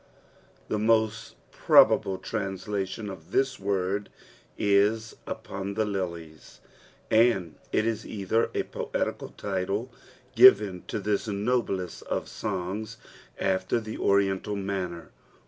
The most probable iranstaiion, ofthLi isord is upon tba Lilies, and if is eUher a poetical title given to this noblest qf songs ajltr lh£ Oriental nuinncr.